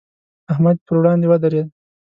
احمد یې پر وړاندې ودرېد.